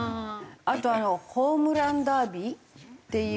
あとホームランダービーっていうのがあって。